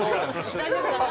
森口：大丈夫かな？